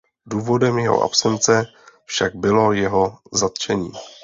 Důvodem jeho absence však bylo jeho zatčení.